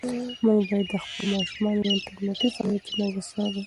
موږ باید د خپلو ماشومانو انټرنيټي فعالیتونه وڅارو.